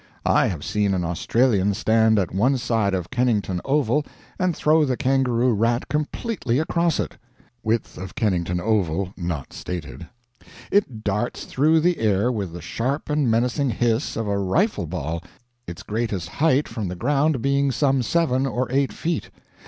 I have seen an Australian stand at one side of Kennington Oval and throw the kangaroo rat completely across it." (Width of Kennington Oval not stated.) "It darts through the air with the sharp and menacing hiss of a rifle ball, its greatest height from the ground being some seven or eight feet .....